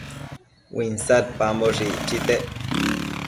uinsadpamboshë icchitec